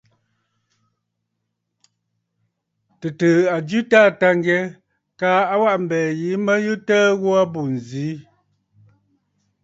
Tɨ̀tɨ̀ɨ̀ a jɨ a Taà Tâŋgyɛ kaa a waʼa mbɛ̀ɛ̀ yìi mə yu təə ghu aa bù ǹzi.